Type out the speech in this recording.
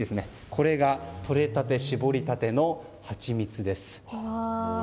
これがとれたて搾りたてのハチミツです。